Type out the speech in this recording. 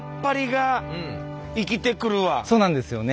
そうなんですよね。